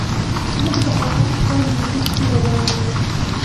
موږ د عمان ښار لویدیځ کې روان یو.